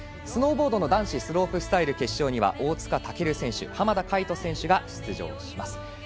スノーボードの男子スロープスタイル決勝には大塚選手浜田海人選手が出場します。